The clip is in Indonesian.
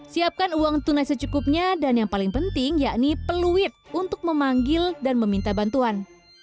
siapkan uang tunai secukupnya dan yang paling penting yakni peluit untuk memanggil dan meminta bantuan